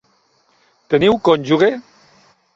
Teniu cònjuge?